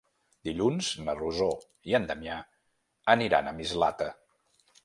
Dilluns na Rosó i en Damià aniran a Mislata.